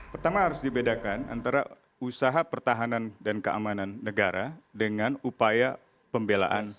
pertama harus dibedakan antara usaha pertahanan dan keamanan negara dengan upaya pembelaan